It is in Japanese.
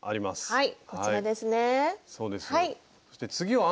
はい。